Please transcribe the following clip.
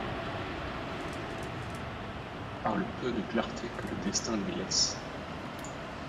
Par le peu de clarté que le destin lui laisse.